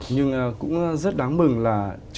nhưng cũng rất đáng mừng là